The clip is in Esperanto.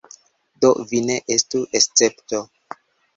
Do, vi ne estu escepto.